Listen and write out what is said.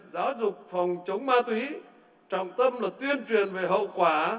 giáo dục phòng chống ma túy trọng tâm là tuyên truyền về hậu quả